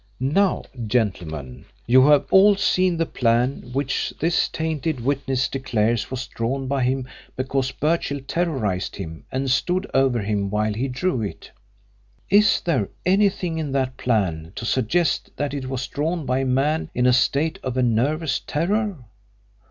"Now, gentlemen, you have all seen the plan which this tainted witness declares was drawn by him because Birchill terrorised him and stood over him while he drew it. Is there anything in that plan to suggest that it was drawn by a man in a state of nervous terror?